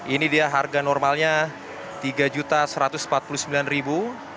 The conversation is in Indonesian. ini dia harga normalnya tiga juta satu ratus empat puluh sembilan ribu